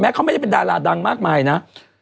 เขาไม่ได้เป็นดาราดังมากมายนะ